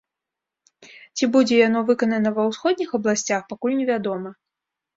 Ці будзе яно выканана ва ўсходніх абласцях, пакуль невядома.